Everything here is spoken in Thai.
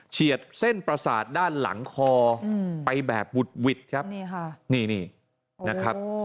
เฉียดเส้นปราสาทด้านหลังคอไปแบบหุดหวิด